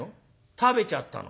「食べちゃったの」。